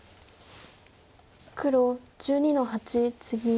黒１２の八ツギ。